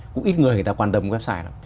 cũng ít người người ta quan tâm website